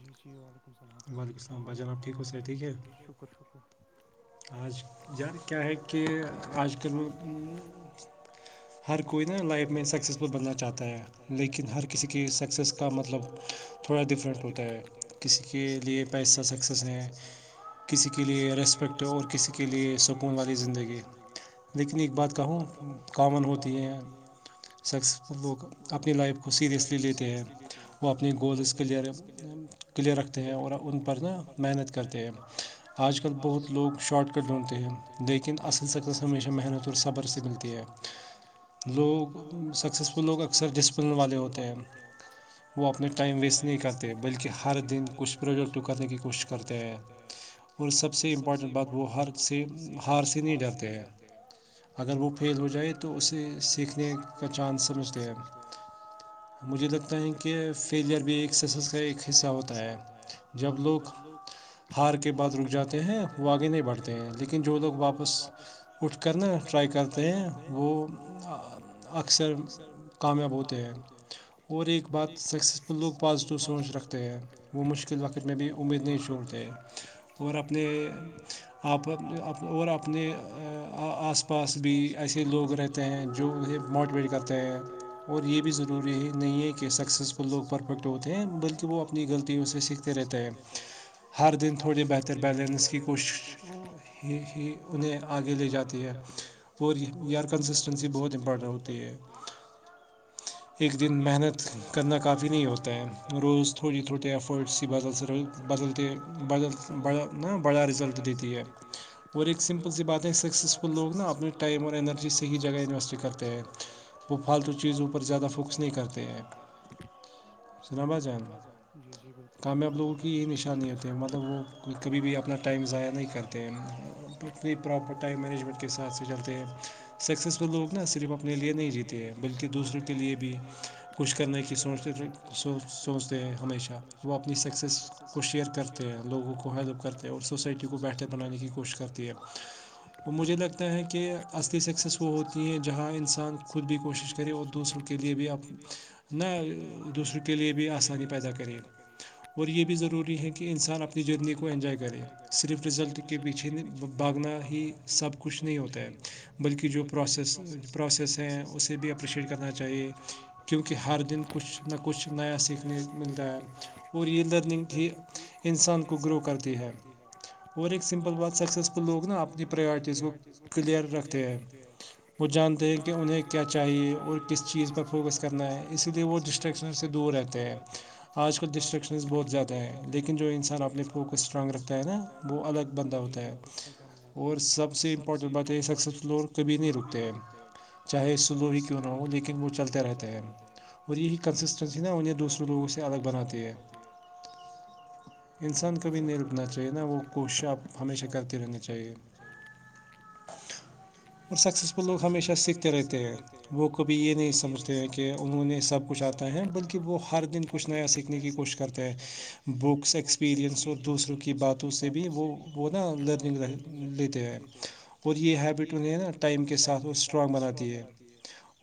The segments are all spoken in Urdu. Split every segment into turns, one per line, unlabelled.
جی جی وعلیکم السلام فرمائیم شکر شکرہ [unintelligible]
آج جار کیا ہے کہ آج کل میں ہر کوئی نا لائف میں سکسیزفل بننا چاہتا ہے لیکن ہر کسی کے سکسیز کا مطلب تھوڑا ڈفرینٹ ہوتا ہے کسی کے لیے پیسہ سکسیس ہے کسی کے لیے ریسپیکٹ اور کسی کے لیے سکون والی زندگی لیکن ایک بات کہوں کامن ہوتا
پون ہوتی ہے
سکسیزفل لوگ اپنی لائف کو سیریئسلی لیتے ہیں وہ اپنے گولز کلیئر کلیئر رکھتے ہیں اور ان پر نا محنت کرتے ہیں آج کل بہت لوگ شاٹ کٹ ڈھونڈتے ہیں لیکن اصل سکسیس ہشہ محنت اور صبر سے ملتی ہے لوگ سکسیزفل لوگ اکثر ڈسپلن والے ہوتے ہیں وہ اپنا ٹائم ویسٹ نہیں کرتے بلکہ ہر دن کچھ پروجکٹ کرنے کی کوشش کرتے ہیں اور سب سے امپٹ بات وہ ہار سے ہار سے نہیں ڈرتے ہیں اگر وہ فیل ہو جائے تو اس تو سیکھنے کا چانس سمجھتے ہیں مجھے لگتا ہے کہ فیلئر بھی ایک سسیس کا ایک حصہ ہوتا ہے جب لوگ ہار کے بعد رک جاتے ہیں وہ آگے نہیں بڑھتے ہیں لیکن جو لوگ واپس اٹھ کر نا ٹرائی کرتے ہیں وہ اکثر کامیاب ہوتے ہیں اور ایک بات سکسیزفل لوگ پازیٹیو سوچ رکھتے ہیں وہ مشکل وقت میں بھی امید نہیں چھوڑتے اور اپنے آ اور اپنے آس پاس بھی ایسے لوگ رہتے ہیں جو اسے موٹیویٹ کرتے ہیں اور یہ بھی ضروری نہیں ہے کہ سکسیز تو لوگ پرفیکٹ ہوتے ہیں بلکہ وہ اپنی غلطیوں سے سیکھتے رہتا ہیں ہر دن تھوڑی بہتر بیلنس کی کوشش ہی انہیں آگے لے جاتی ہیں اور یار کو کنسسٹنسی بہت امپارٹنٹ ہوتی ہے ایک دن محنت کرنا کافی نہیں ہوتا ہے روز تھوڑے تھوٹے ایفرٹس س بدل سے رو بدلتے بدلا ن بڑا رزلٹ دیتی ہے اور ایک سمپل سی بات ہے سکسیز تو لوگ نا اپنے ٹائم اور انرجی صحیح جگہ انویسٹ کرتے ہیں وہ فالتو چیزوں کو پر زیادہ فوکس نہیں کرتے ایپ
جان جی جی بالکات ہم لوگوں کی یہ نشانی تو وہ کبھی بھی اپنا ٹائم ضائع نہیں کرتے ہیں تو کوئی پراپر ٹائم مینجمنٹ کے ساتھ سے چلتے ہیں سکسیسفل لوگ نا صرف اپنے لیے نہیں جیتے بلکہ تو دوسروں کے لیے بھی کچھ کرنے کی سوچ سوچ سوچتے ہیں ہمیشہ وہ اپنی سکسیز کو شیئر کرتے ہیں لوگوں کو ہیلپ کرتے ہیں اور سوسائٹی کو بہتر بنانے کی کوشش کرتی ہے مجھے لگتا ہے کہ کہ اصل سکسیز وہ ہوتی ہیں جہاں انسان خود بھی کوشش کریں اور دوسروں کے لیے بھی نہ دوسروں کے لیے بھی آسانی پیدا کریں اور یہ بھی ضروری ہے کہ انسان اپنی جندنی کو انجوائے کرے صرف رزلٹ کے بیچ چ بھاگنا ہی سب کچھ نہیں ہوتا ہے بلکہ جو پروسیس پروسیس ہیں اسے بھی اپریشیٹ کرنا چاہیے کیونکہ ہر دن کچھ نا کچھ نیا سیکھنے ملتا ہے پوری یہ لرننگ ہی انسان کو گرو کرتی ہے اور ایک سمپل بات سکسیسفل لوگ نا اپنی پریارٹییز گ کلیئر گ تیار وہ جانتے ہیں کہ انہیں کیا چاہیے اور کس چیز پر فوکس کرنا ہے اس لیئے وہ جش ک بہہ لن کٹرانگ رکھتا ہے نا وہ الگ لتا ہے اور سب سے امپورٹینٹ بات یہ س ل کبھی نہیں رکتے ہیں
چاہے سلو ہی کیوں نہ ہو لیکن وہ چلتے رہتے ہیں اور یہی کنسسٹینسی نا انہیں دوسروں لوگوں سے الگ بناتی ہے انسان کبھی نہیں رکنا چاہیے نا وہ کوششیں آپ ہمیشہ کرتے رہنی چاہیے اور سکسیزفل لوگ ہمیشہ سیکھتے رہتے ہیں وہ کب یہ نہیں سمجتے ہیں کہ انہوں نے سب کچھ آتا ہیں بلکہ وہ ہر دن کچھ نیا سیکھنے کی کوشش کرتے ہیں بکس ایکسپیرئنس اور دوسروں کی کی باتوں سے بھی وہ وہ نا لرننگکھ لیتے ہیں اور یہ ہیبٹ انہیں نا ٹائم کے ساتھ اور اسٹرانگ بناتی ہے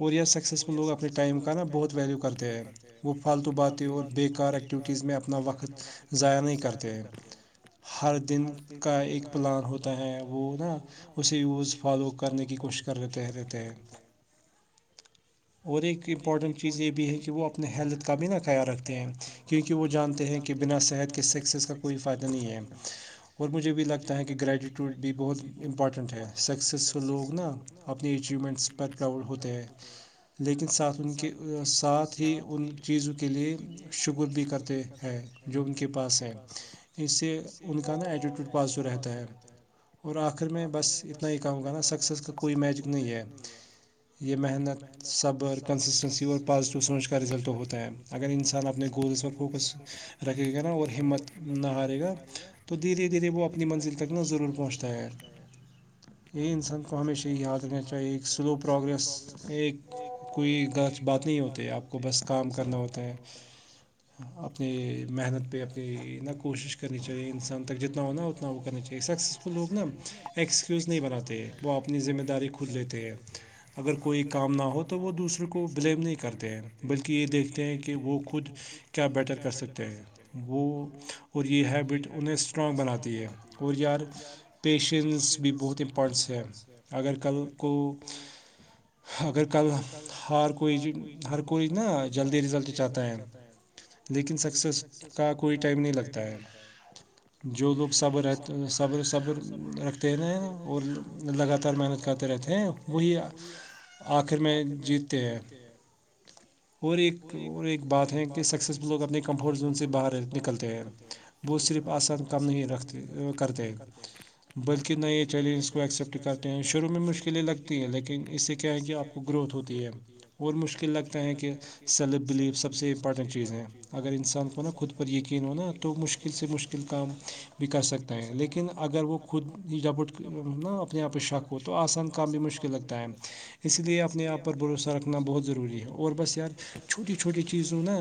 اور یہیا سکسیزفل لوگ اپنے ٹائم کا نا بہت ویلیو کرتے ہیں وہ فالتو باتیں اور بے کار ایکٹیویٹیز میں اپنا وقت ضائع نہیں کرتے ہیں ہر دن کا ایک پلان ہوتا ہے وہ نا اسے یوز فالو کرنے کی کوشش رہتے ہیں رہتے ہیں اور ایک امپورٹنٹ چیز یہ ہیں کہ وہ اپنے ہیلتھ کا بھی نہ خیال رکھتے ہیں کیونکہ وہ جانتے ہیں کہ بنا صحت کے سکسیز کا کوئی فائدہ نہیں ہے اور مجھے بھی لگتا ہے کہ گریٹیٹیوڈ بھی بہت امپارٹنٹ ہے سکسیزفل لوگ نا اپنی اچیومنٹس پر پراؤڈ ہوتے ہیں لیکن ساتون کےہ ساتھ ہی ان چیزوں کے لیے شکر بھی کرتے ہیں جو ان کے پاس ہیں اس سے ان کا نا ایٹیٹیوڈ پازیٹیو رہتا ہے اور آخر میں بس اتنا ہی کام کرنا سکسیز کا کوئی میجک نہیں ہے یہ محنت سبر کنسٹنسی اور تو سوچ کا رزلٹ تو ہوتا ہے اگر انسان اپنے گولز پر فوکس رکھے گا نا اور ہمت نہ ہارے گا تو دھیرے دھیرے وہ اپنی منزل تک نا ضرور پہنچتا ہے یہ انسان کو ہمیشہ یاد رکھنا چاہے ایک سلو پروگریس ایک کوئی غط بات نہیں ہوتی ہے آپ کو بس کام کرنا ہوتا ہے اپنی محنت پہ اپنی نہ کوشش کرنی چاہیے انسان تک جتنا ہونا اتنا وہ کرنا چاہیے سکسس لوگ نا ایکسکیوز نہیں بناتے ہیں وہ اپنی ذمہ داری کھود لیتے ہیں اگر کوئی کام نہ ہو تو وہ دوسرے کو بلیم نہیں کرتے ہیں بلکہ یہ دیکھتے ہیں کہ وہ خود کیا بیٹر کر سکتے ہیں وہ اور یہ ہیبٹ انہیں اسٹرانگ بناتی ہے اور یار پیشنس بھی بہت امپورٹنس ہے اگر کل کو
ج [unintelligible]
اگر کل ہر کوئی ہر کوئی نا جلدی رزلٹ چاہتا ہے لیکن سکسیس کا کوئی ٹائم نہیں لگتا ہے جو لوگ صبر صبر صبر رکھتے ہیں نا اور لگاتار محنت کرتے رہتے ہیں وہی آخر میں جیتتے ہیں اور ایک اور ایک بات ہے کہ سکسیزفل لوگ اپنے کمفرٹ زون سے باہر نکلتے ہیں وہ صرف آسان کم نہیں رکھتے کرتے ہیں بلکہ نئے چیلنجز کو ایکسیپٹ کرتے ہیں شروع میں مشکلیں لگتی ہیں لیکن اس سے کیا ہے کہ آپ کو گروتھ ہوتی ہے اور مشکل مشکل لگتا ہے کہ سیلف بلیف سب سے امپارٹنٹ چیز ہے اگر انسان کو نا خود پر یقین ہونا تو مشکل مشکل سے مشکل کام بھی کر سکتا ہے لیکن اگر وہ خود ہی ڈپٹ ن اپنے آپ پہ شک تو آسان کام بھی مشکل لگتا ہے اسی لیے اپنے آپ پر بھروسہ رکھنا بہت ضروری ہے اور بس یار چھوٹی چھوٹی چیزوں نا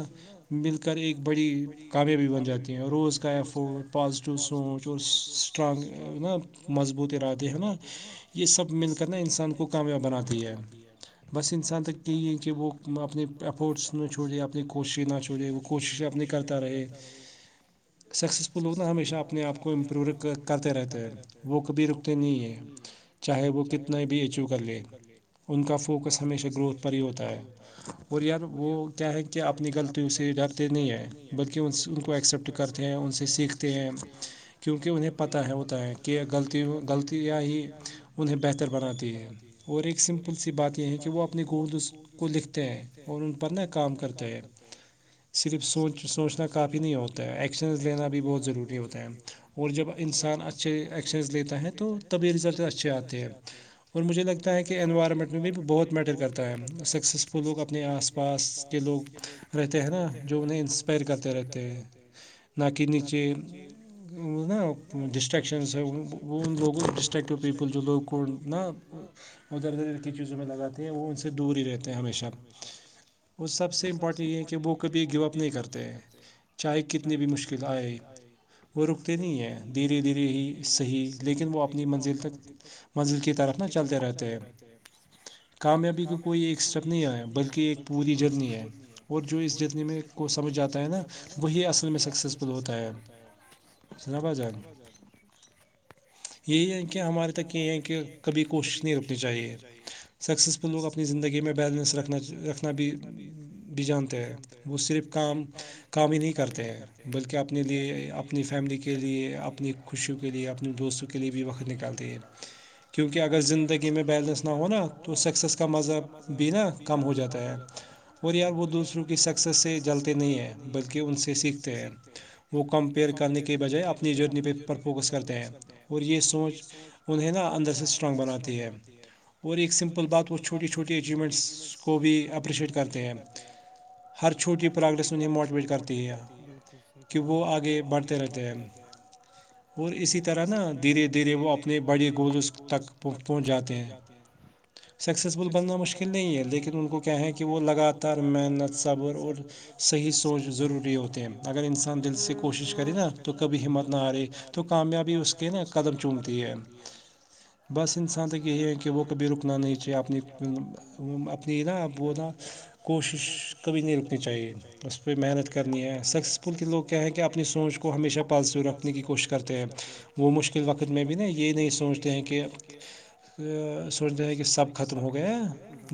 مل کر ایک بڑی کامیابی بن جاتی ہیں روز کا ایفورٹ پازیٹیو سوچ اور اسٹرانگ نا مضبوط ارادے ہیں نا یہ سب مل کرنا انسان کو کامیاب بناتے بس انسان تک کہ اپس چھوڑیں اپنی کوشیں نہ چھوڑیں وہ کوشیں اپ کرتا رہ سکسیزفل لوگ نا ہمیشہ اپنے آپ کو امپرو کرتے رہتے ہیں وہ کبھی رکتے نہیں ہیں چاہے وہ کتنا بھی ایچیو کر لے ان کا فوکس ہمیشہ گروتھ پر ہی ہوتا ہے اور یار وہ کیا ہے کہ اپنی غلطیوں سے ڈرتے نہیں ہیں بلکہ ان ان کو ایکسپٹ کرتے ہیں ان سے سیکھتے ہیں کیونکہ انہیں پتہ ہے ہوتا ہے کہ غلطی غلطیا یا ہی انہیں بہتر بناتی ہے اور ایک سمپل سی بات یہ ہے کہ وہ اپنی گردو سے کو لکھتے ہیں اور ان پر ن کام کرتے ہیں صرف سوچ سوچنا کافی نہیں ہوتا ہے ایکشنز لینا بھی بہت ضروری ہوتا اور جب انسان اچھے ایکشنز لیتا ہے تو تبھی رزلٹ اچھے آتے ہیں اور مجھے لگتا ہے کہ کے انوائرمنٹ میں بھی بہت میٹر کرتا ہے ہم سکسیزفل لوگ اپنے آس پاس کے لوگ رہتے ہیں نا جو انہیں انسپائر کرتے رہتے ہیں نہ کہ نیچے ن ڈسٹریکشنز لوگ ڈسٹریکٹو پیپل جو لوگ کو دھرر درر کی چیزوں میں لگاتے ہیں وہ ان سے دور ہی رہتے ہیں ہمیشہ وہ سب سے امپورٹنٹ یہ ہے کہ وہ کبھی گو اپ نہیں کرتے ہیں چاہے کتنی بھی مشکل آئے وہ رکتے نہیں ہیں دھیرے دھیرے ہی صحیح لیکن وہ اپنی منزل تک منزل کی طرف نہ چلتے رہتے ہیں
اتے
کامیابی کا کوئی ایکسٹر نہیں آئے بلکہ ایک پوری جرنی ہے اور جو اس جرنی میں کو سمجھ جاتا ہے نا وہ یہ اصل میں سکسیسفول ہوتا ہے ن با جان یہی ہے کہ ہمارے تک یہ ہے کہ کبھی کوشش نہیں ر نی چاہیے سکسیز پ لوگ اپنی زندگی میں بیلنس رکھنا رکھنا بھی بھی جانتے ہیں وہ صرف کام کام ہی نہیں کرتے ہیں بلکہ اپنے لیے اپنی فیملی کے لیے اپنی خوشیوں کے لیے اپنے دوستوں کے لیے بھی وقت نکالتے ہے کیونکہ اگر زندگی میں بیلنس نہ ہونا تو سکسیز کا مذہب بھی نا کم ہو جاتا ہے اور یار وہ دوسروں کی سکسیس سے جلتے نہیں ہے بلکہ ان سے سیکھتے ہیں وہ کمپیئر کرنے کے بجائے اپنی جرنی پر فوکس کرتے ہیں اور یہ سوچ انہیں نا اندر سے اسٹرانگ بناتی ہے
ہے اور ایک سمپل بات وہ چ چھوٹی چھوٹی اچیومنٹس کو بھی اپریشیٹ کرتے ہیں ہر چھوٹی پروگریس انہیں موٹیویٹ کرتی ہےک کہ وہ آگے بڑھتے رہتے ہیں اور اسی طرح نا دھیرے دھیرے وہ اپنے بڑے گولز تک پہنچ جاتے ہیں
سکسیزفل بننا مشکل نہیں ہے لیکن ان کو کیا ہے کہ وہ لگاتار محنت صبر اور صحیح سوچ ضروری ہوتے ہیں اگر انسان دل سے کوشش کرے نہا تو کبھی ہمت نہ آرے تو کامیابی اس کے قدم چومتی ہے بس انسان کی ہے کہ وہ کبھی رکنا نہیں چاہے اپنی اپنی نا وہ نا کوشش کبھی نہیں رکنی چاہیے اس کوئی محنت کرنی ہے سکسیزفل کے لوگ کیا ہیں کہ اپنی سوچ کو ہمیشہ پازیٹیو رکھنے کی کوشش کرتے ہیں اور وہ مشکل وقت میں بھی نا یہ نہیں سوچتے ہیں کہ سوچتے ہیں کہ سب ختم ہو گئے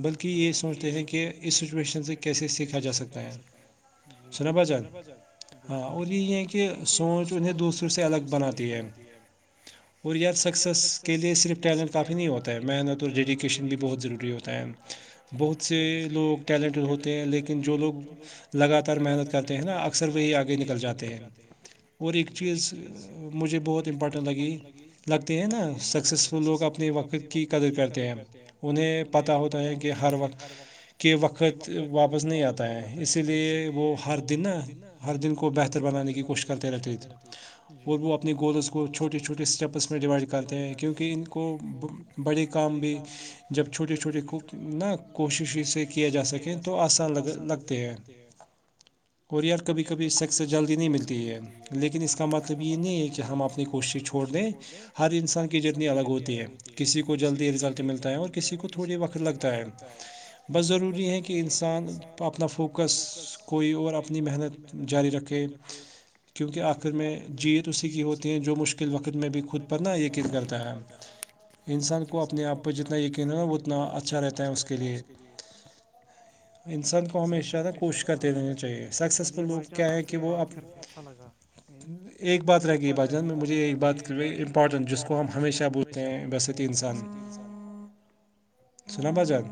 بلکہ یہ سوچتے ہیں کہ اس سچویشن سے کیسے سیکھا جا سکتا ہے سنا بھچان ہاں اور یہ ہے کہ سوچ انہیں دوسروں سے الگ بناتی ہے اور یا سکسیس کے لئے صرف ٹیلنٹ کافی نہیں ہوتا ہے محنت اور ڈیڈیکیشن بھی بہت ضروری ہوتا ہے بہت سے لوگ ٹیلنٹیڈ ہوتے ہیں لیکن جو لوگ لگاتار محنت کرتے ہیں نا اکثر وہی آگے نکل جاتے ہیں اور ایک چیز مجھے بہت امپورٹنٹ لگی لگتے ہیں نا سکسیزفل لوگ آپ وقت کی قدر کرتے ہیں انہیں پتا ہوتا ہے کہ ہر وقت کے کہ وقت واپس نہیں آتا ہے اسی لیے وہ ہر دن نا ہر دن کو بہتر بنانے کی کوشش کرتے رہتے تھے اور وہ اپنے گولز کو چھوٹے چھوٹے اسٹیپ میں ڈیوائڈ کرتے ہیں کیونکہ ان کو بڑے کام بھی جب چھوٹے چھ چے کو نہ کوشش سے کیا جا سکیں تو آسان لگتے ہیں اور یار کبھی کبھی سکسیز جلدی نہیں ملتی ہے لیکن اس کا مطلب یہ نہیں ہے کہ ہم اپنی کوشش چھوڑ چھوڑ دیں ہر انسان کی جتنی الگ ہوتی ہے کسی کو جلدی ریزلٹ ملتا ہے اور کسی کو تھوڑی وقت لگتا ہے بس ضروری ہے کہ انسان اپنا فوکس فوکس کوئی اور اپنی محنت جاری رکھے کیونکہ آخر میں جیت اسی کی ہوتی ہیں جو مشکل وقت میں بھی خود پر ن یقین کرتا ہے انسان کو اپنے آپ پہ جتنا یقین ہونا اتنا اچھا رہتا ہے اس کے لیے انسان کو ہمیشہ ن کوشش کرتے رہنا چاہیے سکسیزفل لوگ کیا ہیں کہ وہب ایک بات رہ گئی با جان مجھے ایک بات امپورٹنٹ جس کو ہم ہمیشہ بول ویسے تو انسان سناا بجان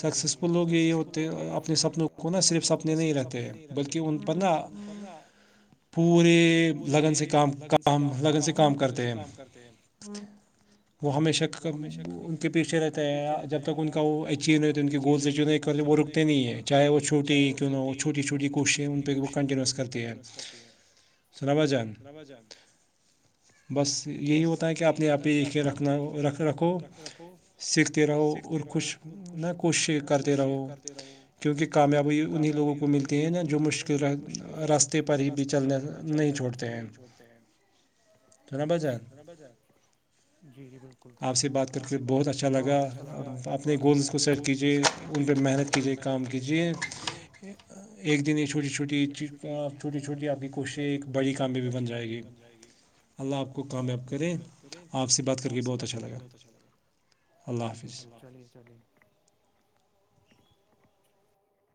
سکسیزفل ہو گئی یہ اتےنے اپنے سپنوں کو نا صرف سپنے نہیں رہکھتے بلکہ ہ پتھنا پورے لگن سے کام کام لگن سے کام کرتے ہیں وہ ہمیشہ ان کے پیچھے رہتا ہے جب تک ان کا وہ اچیو نہیں ہوتے ان کے گولس اچیو نہیں کرتے وہ رکتے نہیں ہیں چاہے وہ چھوٹی کیون نہ وہ چھوٹی چھوٹی کوششیں ان پک وہ کنٹنس کرتی ہیں سنابا جان بس یہی ہوتا ہے کہ آپ نے آپ پچ کے رکھنا رکھو [inaudible] سیکھتے رہو اور کچھ نہ کوشش کرتے رہو کیونکہ [inaudible] کامیابی انہیں لوگوں کو ملتی ہے نا جو مشکل راتے پر ہی بھی چلنے نہیں چھوڑتے ہیں
ت ہیں [inaudible]
تھنا بازار
جی جی بالکل
آپ سے بات کر کے بہت اچھا لگا ہوگا اپنے گولس کو سیٹ کیجیے ان پہ محنت کیجیے کام کیجیے ایک دن یہ چھوٹی چھوٹی چھوٹی چھوٹی آپ کی کوششیں ایک بڑی کام میں بھی بن جائے گی اللہ آپ کو کامیاب کرے
کرے
آپ سے بات
آپ سے بات کر کے بہت اچھا لگا چلیے چلی